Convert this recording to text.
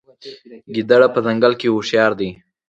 ګیدړ په ځنګل کې هوښیار دی.